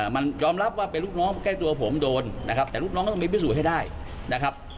มันยอมรับว่าเป็นลูกน้องใกล้ตัวผมโดนนะครับแต่ลูกน้องก็ต้องไปพิสูจน์ให้ได้นะครับ